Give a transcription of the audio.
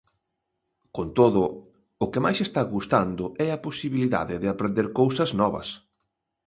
Con todo, o que máis está gustando é a posibilidade de aprender cousas novas.